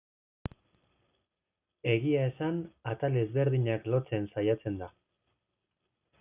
Egia esan, atal ezberdinak lotzen saiatzen da.